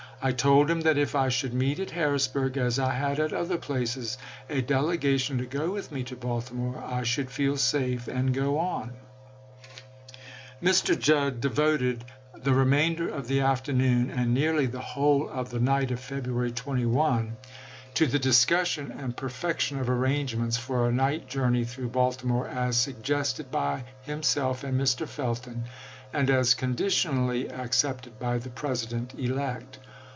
I told him that if I should meet at Harrisburg, as I had at other places, a ^cSff' delegation to go with me to Baltimore, I should T.?p'.'28o.L feel safe, and go on." Mr. Judd devoted the remainder of the afternoon and nearly the whole of the night of February 21 i8ei. Lincoln's statement to Lossing, Pinkerton, Nov. 3, 1867. 310 ABRAHAM LINCOLN chap. xx. to the discussion and perfection of arrangements for a night journey through Baltimore, as sug gested by himself and Mr. Felton, and as con ditionally accepted by the President elect.